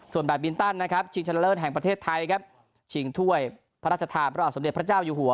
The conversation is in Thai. ส่วนแบบบินตันนะครับชิงชนะเลิศแห่งประเทศไทยครับชิงถ้วยพระราชทานพระบาทสมเด็จพระเจ้าอยู่หัว